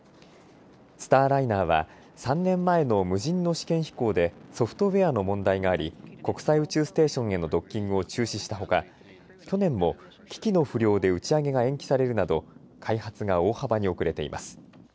スターライナーは３年前の無人の試験飛行でソフトウエアの問題があり国際宇宙ステーションへのドッキングを中止したほか去年も機器の不良で打ち上げが延期されるなど開発が大幅に遅れています。